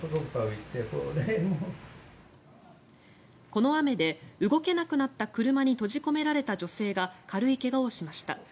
この雨で動けなくなった車に閉じ込められた女性が軽い怪我をしました。